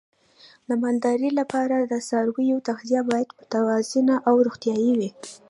د مالدارۍ لپاره د څارویو تغذیه باید متوازنه او روغتیايي وي.